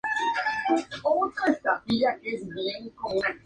Discurre aproximadamente de este a oeste entre West Broadway y West Street.